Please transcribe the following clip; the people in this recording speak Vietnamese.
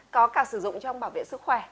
có cả sử dụng trong bảo vệ sức khỏe